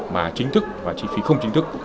mà chính thức và chi phí không chính thức